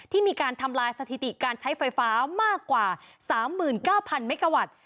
ที่มีการทำลายสถิติการใช้ไฟฟ้ามากกว่า๓๙๐๐เมกาวัตต์